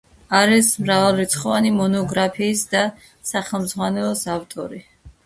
არის მრავალრიცხოვანი მონოგრაფიის და სახელმძღვანელოს ავტორი.